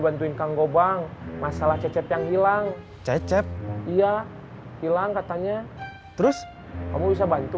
bantuin kang gobang masalah cecep yang hilang cecep iya hilang katanya terus kamu bisa bantu